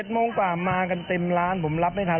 โมงกว่ามากันเต็มร้านผมรับไม่ทัน